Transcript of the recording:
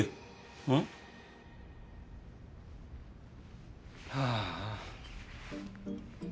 うん？はあ。